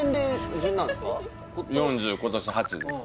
４０今年８です